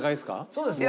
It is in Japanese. そうですね。